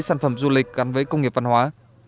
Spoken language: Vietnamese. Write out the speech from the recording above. sản phẩm du lịch gắn với công nghiệp văn hóa